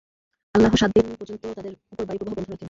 আল্লাহ সাত দিন পর্যন্ত তাদের উপর বায়ু প্রবাহ বন্ধ রাখেন।